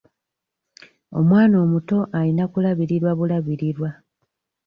Omwana omuto ayina kulabirirwa bulabirirwa.